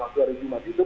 waktu hari jumat itu